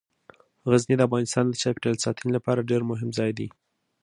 غزني د افغانستان د چاپیریال ساتنې لپاره ډیر مهم ځای دی.